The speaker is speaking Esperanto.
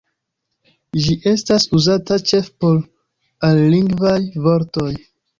Ĝi estas uzata ĉefe por alilingvaj vortoj.